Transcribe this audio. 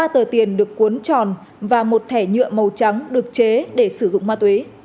ba tờ tiền được cuốn tròn và một thẻ nhựa màu trắng được chế để sử dụng ma túy